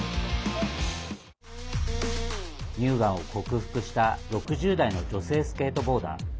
乳がんを克服した６０代の女性スケートボーダー。